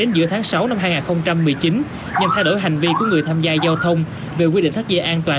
năm hai nghìn một mươi chín nhằm thay đổi hành vi của người tham gia giao thông về quy định thắt dây an toàn